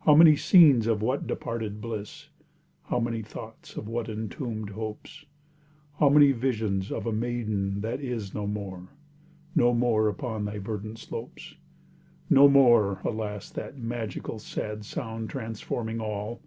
How many scenes of what departed bliss! How many thoughts of what entombed hopes! How many visions of a maiden that is No more—no more upon thy verdant slopes! No more! alas, that magical sad sound Transforming all!